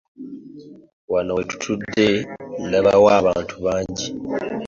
Wano we tutudde ndabawo abantu bangi.